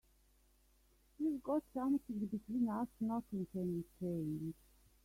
We've got something between us nothing can change.